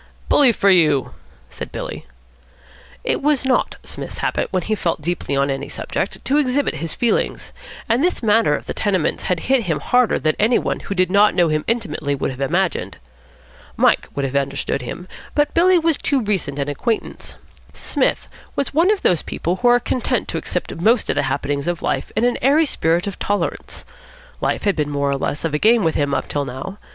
"Bully for you," said Billy. It was not Psmith's habit, when he felt deeply on any subject, to exhibit his feelings; and this matter of the tenements had hit him harder than any one who did not know him intimately would have imagined. Mike would have understood him, but Billy Windsor was too recent an acquaintance. Psmith was one of those people who are content to accept most of the happenings of life in an airy spirit of tolerance. Life had been more or less of a game with him up till now.